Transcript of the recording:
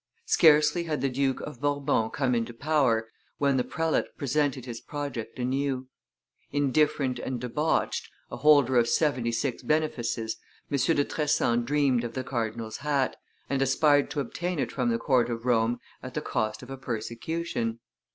Scarcely had the duke (of Bourbon) come into power, when the prelate presented his project anew; indifferent and debauched, a holder of seventy six benefices, M. de Tressan dreamed of the cardinal's hat, and aspired to obtain it from the Court of Rome at the cost of a persecution.